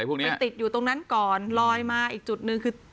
พวกนี้ไปติดอยู่ตรงนั้นก่อนลอยมาอีกจุดหนึ่งคือ